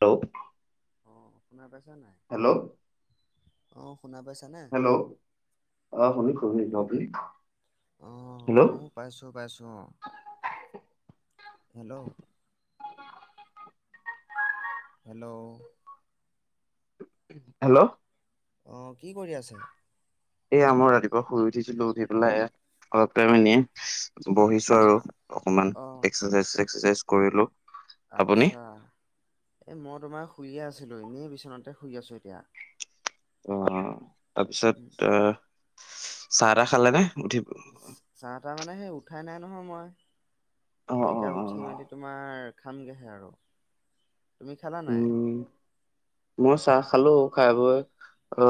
Hello! অঁ, শুনা পাইচা নাই? হেল্ল'! অঁহ শুনা পাইছা নে? হেল্ল'! অ শুনিছো শুনিছো, আপুনি? অঁ হেল্ল' মইও পাইছো পাইছো অ, হেল্ল'? হেল্ল'! হেল্ল'? অঁ কি কৰি আছা? এইয়া মই ৰাতিপুৱা শুই উঠিছিলো, উঠি পেলাই এ অলপ টাইম এনে বহিছো আৰু অ', অকমান অ', এক্সাৰচাইজ চেক্সৰচাইজ কৰিলো। আপুনি আচ্ছা, এই মই তোমাৰ শুইয়ে আছিলোঁ এনেই বিচনাতে শুই আছোঁ এতিয়া। অঁ উম, তাৰপিছত আহ চাহ তাহ খালে নে উঠি চাহ - তাহ মানে সেই উঠাই নাই নহয় মই! অ অ এতিয়া অ উঠি ঠি মেলি তোমাৰ খামগেহে আৰু, তুমি খালা নাই? উম মই চাহ খালো, খাই বৈ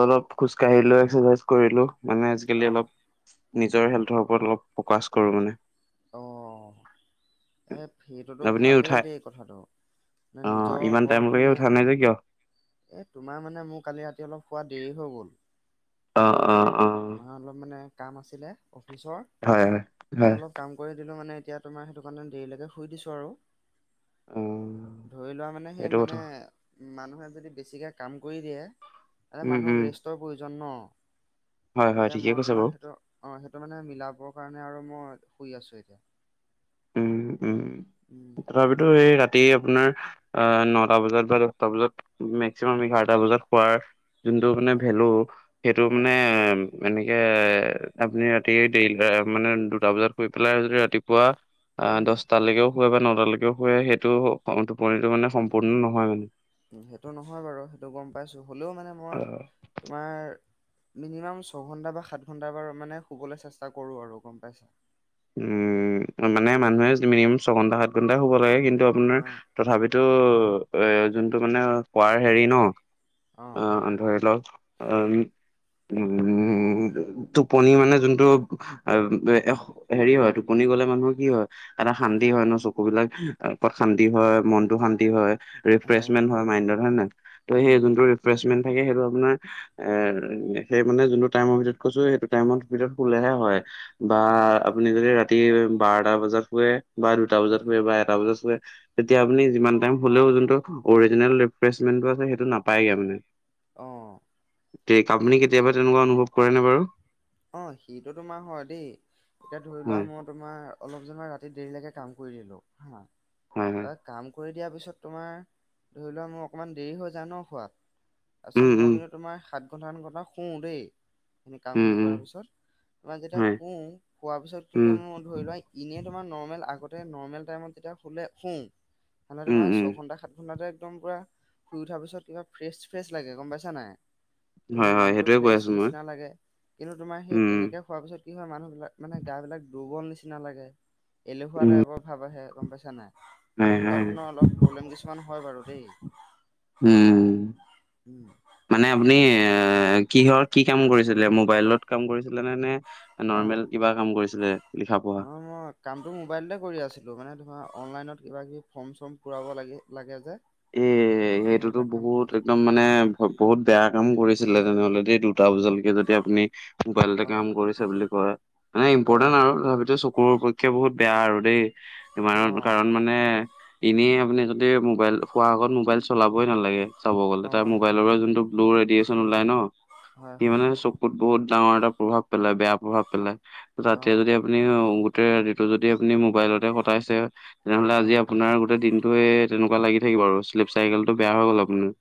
অলপ খোজ কাঢ়িলো এক্সৰচাইজ কৰিলো। মানে আজিকালি অ', অলপ নিজৰ হেল্থৰ ওপৰত অলপ ফকাচ কৰো মানে। অ এই সেইটোতো আপুনি ভালেই উঠাই দেই কথাটো। মানে অ নিজৰ ইমান ওপৰত টাইমলৈকে মানে উঠা নাই যে কিয় এ তোমাৰ মানে মোৰ কালি ৰাতি অলপ শুৱা দেৰি হৈ গ'ল। অঁ অঁ অঁ। আ অলপ মানে কাম আছিলে অফিচৰ। হয় হয়, এ হয়। অলপ কাম কৰি দিলোঁ মানে এতিয়া তোমাৰ সেইটো কাৰনে দেৰিলেকে শুই দিছোঁ আৰু। অ', ধৰি লোৱা মানে সেই সেইটো মানে কথা। মানুহে যদি বেছিকে কাম কৰি দিয়ে, তাতে উম, উম, মানুহক ৰেষ্টৰ প্ৰয়োজন ন? হয়, হয়, গতিকে ঠিকে মই কৈছে বাৰু। তোমাৰ সেইটো, অ সেইটো মানে মিলাবৰ কাৰণে আৰু মই শুই আছো এতিয়া। উম উম, উম তথাপিতো এই ৰা তি আপোনাৰ আহ নটা বজাত বা দহটা বজাত মেক্সিমাম এঘাৰটা বজাত শুৱাৰ যোনটো মানে হয় ভেলু সেইটো হয় মানে এনেকে আপুনি ৰাতি দেৰি মানে দুটা বজাত কৰি পেলাইও যদি ৰাতিপুৱা আহ, উম দছটালৈকেও শুৱে বা নটালৈকেও শুৱে সেইটো টোপনিটো মানে সম্পূৰ্ণ নহয় মানে। উম, সেইটো নহয় বাৰু সেইটো গ'ম পাইছোঁ, হ'লেও মানে মই তোমাৰ মিনিমাম ছঘন্টা বা সাত ঘণ্টা বাৰ মানে শুবলৈ চেষ্টা কৰো আৰু গ'ম পাইছা? উম, মানে উম মানুহে মিনিমাম ছয়ঘন্টা, সাত ঘণ্টাই শুব লাগে, কিন্তু আপোনাৰ অ তথাপিতো এ যোনটো মানে শুৱাৰ হেৰি ন'। অ আহ, ধৰি লওক আহ উম, টোপনি মানে যোনটো আহ, এশ হেৰি হয় টোপনি গ'লে মানুহৰ কি হয়, এটা শান্তি উম হয় ন' চকুবিলাক ত শান্তি হয়, মনটো শান্তি হয়, ৰিফ্ৰেচমেন্ট হয় মাইণ্ডত হয় নে নহয়? ত' সেই উম যোনটো ৰিফ্ৰেছমেণ্ট থাকে সেইটো আপোনাৰ এহ, সেই মানে যোনটো টাইমৰ ভিতৰত কৈছো সেইটো টাইমৰ ভিতৰত শুলেহে হয়। বা হয় আপুনি যদি ৰাতি বাৰটা বজাত শুৱে বা দুটা বজাত শুৱে বা এটা বজাত শুৱে। তেতিয়া আপুনি যিমান টাইম শুলেও যোনটো অৰিজিনেল ৰিফ্ৰেছমেণ্টটো আছে, সেইটো নাপায়গে মানে। অ', তে আপুনি কেতিয়াবা তেনেকুৱা অনুভৱ কৰে নে বাৰু? অ', সেইটো তোমাৰ হয় দেই, এতিয়া ধৰি লোৱা হয়, মই তোমাৰ অলপ যে মই ৰাতি দেৰিলৈকে কাম কৰি দিলোঁ হা, হয়, হয়। তাক কাম কৰি দিয়াৰ পিছত তোমাৰ, ধৰি লোৱা মোৰ অকণমান দেৰি হৈ যায় ন' শুৱাত? তাৰপিছত উম, মই উম, কিন্তু তোমাৰ সাত ঘণ্টা আঠ ঘণ্টা শুওঁ দেই, উম, কামখিনি উম, শুৱাৰ পিছত, তোমাৰ যেতিয়া হয়, শু শুৱাৰ পিছত উম, কিন্তু মোৰ ধৰি লোৱা ইনে তোমাৰ নৰ্মেল আগতে নৰ্মেল টাইমত যেতিয়া শুলে শু। মানে উম, তোমাৰ উম, ছয় ঘণ্টা সাত ঘণ্টাতে একদম পুৰা, শুই উঠাৰ পিছত কিবা ফ্ৰেছ ফ্ৰেছ লাগে গ'ম পাইছা নাই? কিবা হয়, হয়, মাইণ্ডটো সেইটোয়ে কৈ ফ্ৰেছ আছো মই। নিচিনা লাগে। কিন্তু তোমাৰ সেই উম, তেনেকে শুৱাৰ পিছত কি হয় মানুহবিলাক মানে গাবিলাক দুৰ্বল নিচিনা লাগে। এলেহুৱা উম, টাইপৰ ভাব আহে গ'ম পাইছা নাই? হয়, এনেকুৱা হয়, ধৰণৰ অলপ প্ৰব্লেম কিছুমান হয় বাৰু দেই। উম। উম। মানে আপুনি এ কিহৰ কি কাম কৰিছিলে মোবাইলত? কাম কৰিছিলে নে, নে অ'। নৰ্মেল কিবা কাম কৰিছিলে লিখা-পঢ়া? নহয় মই কামটো মোবাইলতে কৰি আছিলো মানে তোমাৰ অনলাইনত কিবা কিবি ফৰ্ম-চৰ্ম পুৰাব লাগ লাগে যে। এ সেইটোতো সেইবিলাক কাম কৰি বহুত আছোঁ একদম মা নে ব-বহুত বেয়া কাম কৰিছিলে তেনেহ'লে দে দুটা বজালকে যদি আপুনি মোবাইলতে কাম অ', কৰিছে বুলি কয়, মানে ইম্পৰ্টেণ্ট অ', আৰু তথাপিতো চকুৰ পক্ষে বহুত বেয়া আৰু দেই। তোমাৰৰ অ'। কাৰণ মানে এনেই আপুনি যদি মোবাইল শুৱাৰ আগত মোবাইল চলাবই নালাগে চাব গ'লে তাৰ অ', মোবাইলৰ পৰা যোনটো ব্লু ৰেডিয়েচন ওলাই ন'। হয়, সি হয়, মানে চকুত বহুত ডাঙৰ এটা প্ৰভাৱ পেলাই, বেয়া প্ৰভাৱ পেলাই। তাতে যদি অ', আপুনি গোটেই ৰাতিটো যদি আপুনি মোবাইলতে কটাইছে। তেনেহ'লে আজি অ', আপোনাৰ গোটেই দিনটোৱে তেনেকুৱা লাগি থাকিব আৰু শ্লিপ চাইকেলটো বেয়া হৈ গ'ল আপোনাৰ।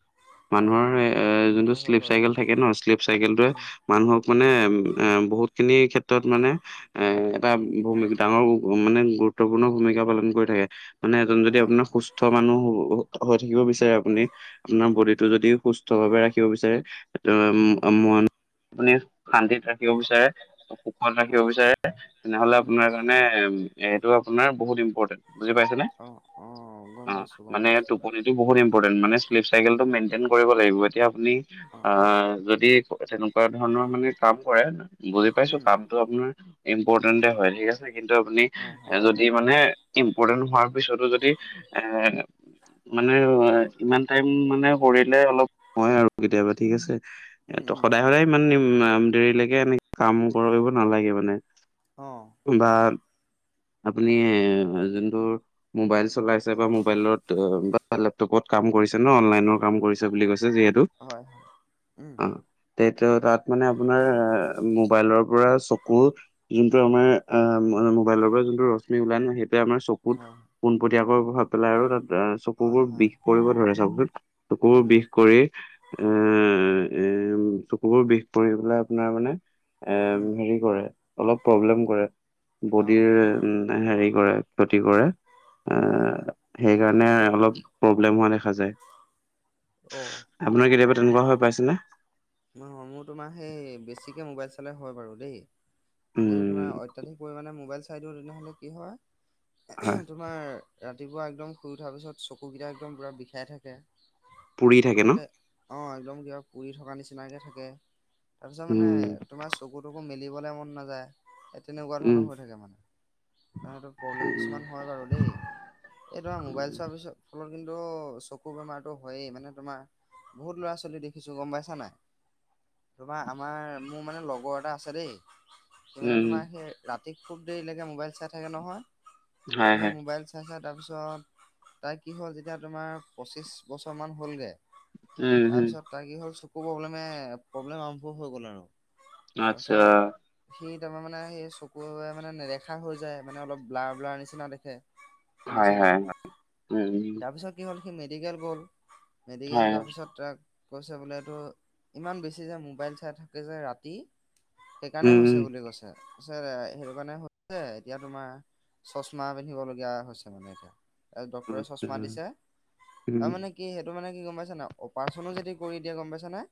মানুহৰ অ'। এ যোনটো সেইটো হয় শ্লিপ বাৰু চাইকেল থাকে ন', শ্লিপ চাইকেলটোৱে মানুহক মানে এ বহুতখিনি ক্ষেত্ৰত মানে এ এটা উম, ভূমি ডাঙৰ মানে গুৰুত্বপূৰ্ণ ভূমিকা পালন কৰি থাকে মানে এজন যদি হয়, আপোনাৰ হয়, সুস্থ মানুহ হ উ, হৈ থাকিব বিচ চাৰে আপুনি, আপোনাৰ উম, বডিটো যদি সুস্থভাৱে ৰাখিব বিচাৰে উম, এ মন আপুনি শান্তিত ৰাখিব বিচাৰে, সুখত ৰাখিব হয়, বিচাৰে, তেনেহ'লে উম। আপোনাৰ নাই, এইটো আপোনাৰ বহুত ইম্পৰ্টেণ্ট, বুজি পাইছে নে? অ, অ, গম পাইছোঁ, গম পাইছোঁ। টো বহুত ইম্পৰটেণ্ট, মানে শ্লিপ চাইকেলটো মেইনটেইন কৰিব লাগিব, এতিয়া আপুনি অঁ আ যদি তেনেকুৱা ধৰণৰ মানে কাম কৰে বুজি পাইছো উম কামটো আপোনাৰ ইম্পৰ্টেণ্টে হয়, ঠিক আছে, কিন্তু আপুনি হয় এ হয় যদি যদি মানে ইম্পৰ্টেণ্ট হোৱাৰ পিছতো যদি এ মানে ইমান টাইম মানে কৰিলে অলপ হয় আৰু কেতিয়াবা ঠিক আছে। এ, উম ত' উম সদায়-সদায় ইমান দেৰিলৈকে এনেকে কাম কৰিব নালাগে মানে বা আপুনি এ যোনটো মোবাইল চলাইছে বা মোবাইলত অ, বা লেপটপত কাম কৰিছে ন, অনলাইনৰ কাম কৰিছে বুলি কৈছে যিহেতু অঁ হয় হয় উম অ তে [unintelligible] তাত মানে আপোনাৰ এ মোবাইলৰ পৰা চকু যোনটো আমাৰ অঁ অ, মোবাইলৰ পৰা যোনটো ৰশ্মি ওলাই ন সেইটোৱে আমাৰ চকুত হয় পোনপটীয়াকৈ প্ৰভাৱ পেলাই, আৰু তাত চকু হয় বোৰ হয় বিষ কৰিব ধৰে, চাওকচোন চকু বোৰ উম বিষ কৰি [unintelligible] চকুবোৰ বিষ কৰি পেলাই আপোনাৰ মানে এ উম হেৰি কৰে, অলপ প্ৰব্লেম কৰে, অঁ বডিৰ উম, হেৰি কৰে, ক্ষতি কৰে। হয়, হয়। আহ সেইকাৰণে অলপ প্ৰব্লেম হোৱা দেখা যায়। অহ। আপোনাৰ কেতিয়াবা তেনেকুৱা হৈ পাইছেনে? [unintelligible] মোৰ তোমাৰ সেই বেছিকে মোবাইল চালে হয় বাৰু দেই! যদি উম তোমাৰ অত্যাধিক পৰিমাণে মোবাইল চাই দিওঁ তেনেহ'লে কি হয় হয় তোমাৰ ৰাতিপুৱা একদম শুই উঠাৰ পিছত চকুকেইটা একদম পুৰা বিষাই থাকে। পুৰি থাকে ন ঘপকে অঁ, একদম কিবা পুৰি থকা নিচিনাকৈ থাকে। তাৰপিছত মানে উম তোমাৰ চকু-তকু মেলিবলৈ মন নাযায়। এই তেনেকুৱা উম ধৰণৰ হৈ থাকে মানে, [unintelligible] প্ৰব্লেম কিছুমান হয় বাৰু দেই। এই তোমাৰ মোবাইল উম চোৱাৰ পিছত ফলত কিন্তু চকু বেমাৰতটো হয়েই, মানে তোমাৰ বহুত ল'ৰা-ছোৱালী দেখিছো, গম পাইছা নাই! তোমাৰ আমাৰ মোৰ মানে লগৰ এটা আছে দেই, সি মানে উম, তোমাৰ সেই ৰাতি খুব দেৰিলৈকে মোবাইল চাই থাকে নহয়, হয় তাৰপিছত হয় মোবাইল চাই-চাই তাৰপিছত তাৰ কি হ'ল, যেতিয়া তোমাৰ পঁচিছ বছৰমান হ'লগৈ উম তাৰ হম পিছত তাৰ কি হ'ল, চকু প্ৰব্লেমে-প্ৰব্লেম আৰম্ভ হৈ গ'ল আৰু। আচ্ছা তাৰপিছত সি তাৰে মানে সেই চকুৰে মানে নেদেখা হৈ যায়, মানে অলপ ব্লাৰ-ব্লাৰ নিচিনা দেখে। গম হয় পাইছা নাই। হয় উম তাৰপিছত কি হ'ল, সি মেডিকেল গ'ল, মেডিকেল হয় যোৱাৰ পিছত তাক কৈছে বোলে এইটো ইমান বেছি যে মোবাইল চাই থাকে যে ৰাতি, সেইকাৰণে উম হৈছে বুলি কৈছে। কৈছে সেইটো কাৰণে হৈছে, এতিয়া তোমাৰ চশমা পিন্ধিব লগীয়া হৈছে মানে এতিয়া। তাৰ ডক্তৰে আচ্ছা চশমা দিছে, উম আৰু মানে কি সেইটো মানে কি গম পাইছ নাই, অপাৰচনো যদি কৰি দিয়ে গম পাইছ নাই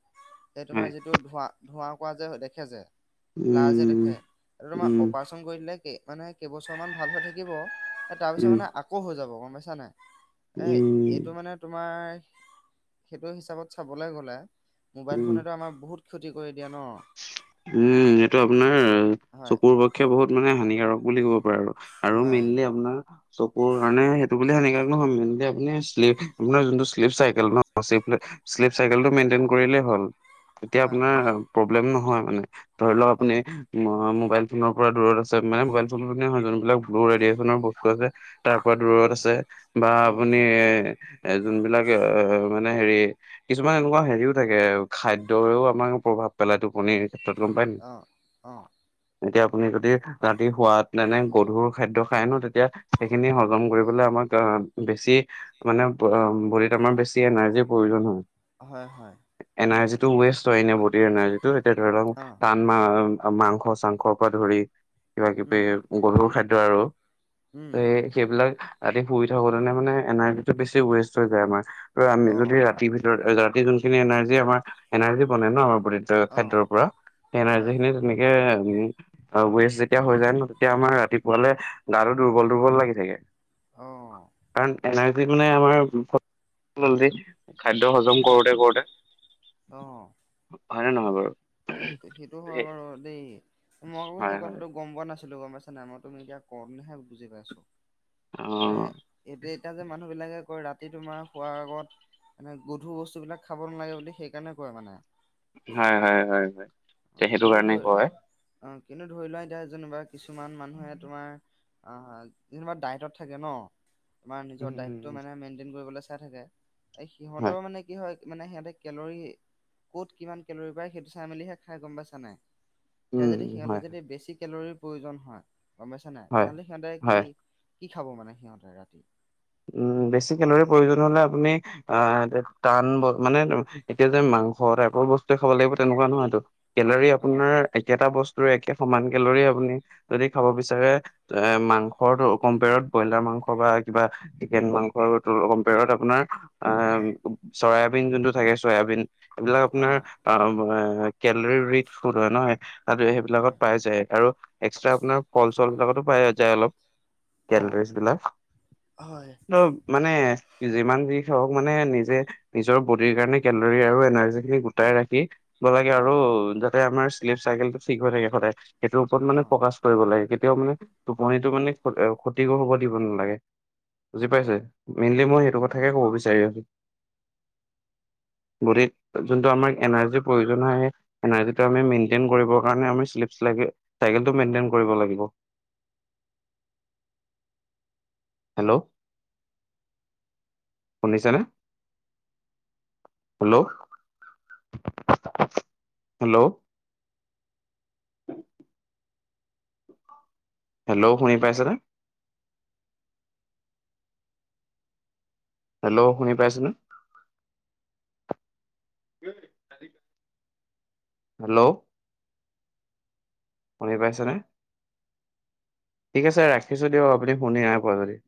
এই তোমাৰ হয় যিটো ধোৱা-ধোঁৱা-কোৱা যে দেখে যে, ব্লাৰ যে দেখে উম তোমাৰ উম অপাৰচন কৰি দিলে কে মানে কেইবছৰ মান ভাল হৈ থাকিব, তাৰপিছত উম মানে আক কৌ হৈ যাব গম পাইছা নাই, এ। উম এইটো মানে তোমাৰ সেইটো হিচাপত চাবলৈ গ'লে। মোবাইল উম ফোনেটো আমাৰ বহুত ক্ষতি কৰি দিয়ে ন। উম এইটো আপোনাৰ হয় চকুৰ পক্ষে বহুত মানে হানিকাৰক বুলি ক'ব পাৰে আৰু। আৰু হয় মেইনলি আপোনাৰ চকুৰ কাৰণে সেইটো বুলি সেনেকুৱ নহয়, মেইনলি আপনি। আপোনাৰ যোনটো শ্লিপ চাইকেল ন শ্লিপ চাইকেলটো মেইনটেইন কৰিলেই হ'ল। এতিয়া হয় হয় আপোনাৰ প্ৰব্লেম নহয় মানে ধৰি লওক অ আপুনি। ম মোবাইল ফোনৰ পৰা দূৰত আছে। মানে মোবাইল ফোন বুলি নহয়, যোনবিলাক ব্লু ৰেডিয়েচনৰ বস্তু আছে। তাৰ পৰা দূৰত হয় আছে বা উম আপুনি এ যোনবিলাক এ মানে হেৰি কিছুমান এনেকুৱা হেৰিও থাকে খাদ্য হেও আমাক প্ৰভাৱ পেলাই টোপনিৰ ক্ষেত্ৰত গম পায় নাই? অ অ এতিয়া আপুনি যদি ৰাতি শুৱাত এনে গধুৰ খাদ্য খাই ন তেতিয়া সেইখিনি অ হজম কৰিব বুলে আমাক আ বেছি মানে বডীত আমাৰ বেছি এনাৰ্জিৰ প্ৰয়োজন হয়। হয় হয় উম এনাৰ্জিটো ৱেষ্ট হয় এনে বডিৰ এনাৰ্জিটো এতিয়া ধৰি লওক অ টান মাংস চাংসৰ পৰা ধৰি কিবা কিবি উম গধুৰ খাদ্য আৰু। উম হেই সেইবিলাক ৰাতি ফুৰি থাকোতেনে মানে এনাৰ্জিটো বেছি ৱেষ্ট হৈ যায় আমাৰ। আমি অ যদি ৰাতিৰ ভিতৰত ৰাতি যোনখিনি এনাৰ্জি আমাৰ এনাৰ্জি বনে ন। বডিত অ খাদ্যৰ পৰা সেই এনাৰ্জি হয় খিনি তেনেকে উম আৰু ৱেষ্ট যেতিয়া হৈ যায় ন তেতিয়া আমাৰ ৰাতিপুৱালে গাটো দুৰ্বল দুৰ্বল লাগি থাকে। অ কাৰণ এনাৰ্জিত মানে আমাৰ [unintelligible] খাদ্য হজম উম কৰোতে কৰোঁতে অ। হয়নে নহয় বাৰু? সেইটো সেইটো হয় বাৰু দেই মই আকৌ হয় সেই হয় কথাটো গম পোৱা নাছিলো, গম পাইছা নামত তুমি এতিয়া কওঁতেনেহে বুজি পাইছো। অ' নে এতিয়া এতিয়া যে মানুহ বিলাকে কয় ৰাতি তোমাৰ শুৱাৰ আগত মানে গধুৰ বস্তু বিলাক খাব নালাগে বুলি সেইকাৰণে কয় মানে। হয় হয় হয় হয়। অ সেইটো কিন্তু কাৰণে ধৰি কয় অ কিন্তু ধৰি লোৱা এতিয়া যেনিবা কিছুমান মানুহে তোমাৰ অ যেনিবা ডায়েটত থাকে ন, তোমাৰ উম নিজৰ ডায় টো উম মানে মেইনটেইন কৰিবলে চাই থাকে, এই উম হয় সিহঁতৰ মানে কি হয় মানে সিহঁতে কেলৰি ক'ত কিমান কেলৰি পায় সেইটো চাই মেলিহে খাই। গম পাইছা নাই? এতিয়া উম যদি হয় সিহঁতক যদি বেছি কেলৰীৰ প্ৰয়োজন হয়, গম পইছা নাই? হয় তেনেহ'লে সিহঁতে কি হয়। কি খাব মানে সিহঁতে ৰাতি? উম বেছি কেলৰীৰ প্ৰয়োজন হলে আপুনি আহ এ টান মানে এতিয়া যে মাংস টাইপৰ বস্তুৱে খাব লাগিব তেনকুৱা নহয়টো। কেলৰি অ আপোনাৰ একেটা বস্তুৰে একে সমান কেলৰি আপুনি যদি খাব বিচাৰে এ মাংসটো কম্পেয়াৰত ব্ৰইলাৰ মাংস বা কিবা চিকেন মাংস কম্পেয়ত আপোনাৰ অ হয় চয়াবিন যোনটো থাকে চয়াবিন। এইবিলাক অ আপোনাৰ আহ কেলৰী ৰি ফুড হয় নহয় তাতো সেইবিলাকত হয় পাই যায় আৰু এক্সট্ৰা আপোনাৰ ফল চল বিলাকতো পাই যায় অলপ অ কেলাৰীজ বিলাক। হয় ত মানে যিমান যি হওক মানে নিজে নিজৰ বডিৰ কাৰণে কেলৰি আৰু এনাৰ্জি খিনি গোটাই ৰাখি লাগে অ আৰু যাতে আমাৰ শ্লিপ চাইকেলটো ঠিক হৈ থাকে সদায় সেইটোৰ ওপৰত অ মানে ফকাচ কৰিব লাগে কেতিয়াও মানে টোপনিটো মানে ক্ষতিগ হব দিব নালাগে। বুজি পাইছে? মেইনলি মই সেইটো কথাকে কব বিচাৰি আছোঁ। বডীত যোনটো আমাৰ এনাৰ্জিৰ প্ৰয়োজন হয় সেই এনাৰ্জিটো আমি মেইনটেইন কৰিবৰ কাৰণে আমি চিশ্লিপচ লাগে, [unintelligible] কাৰণে টো মেইনটেইন কৰিব লাগিব। হেল্ল' শুনিছানে? Hello [unintelligible] hello. হেল্ল' শুনি পাইছেনে? হেল্ল' শুনি পাইছানে? [unintelligible] হেল্ল'। শুনি পাইছানে? ঠিক আছে ৰাখিছো দিয়ক আপুনি শুনি নাই পোৱা যদি।